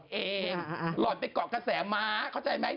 ลีน่าจังลีน่าจังลีน่าจังลีน่าจัง